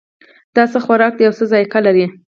دا څه خوراک ده او څه ذائقه لري